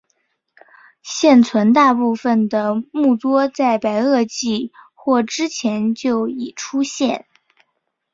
现存大部分的目多在白垩纪或之前就已出现。